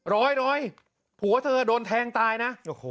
ร้อยร้อยผัวเธอโดนแทงตายนะ